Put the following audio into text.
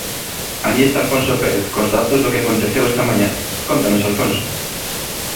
Alí está Alfonso Pérez cos datos do que aconteceu esta mañá, cóntanos Alfonso.